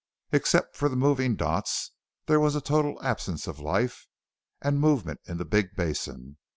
Except for the moving dots there was a total absence of life and movement in the big basin.